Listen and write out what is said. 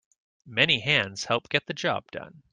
Many hands help get the job done.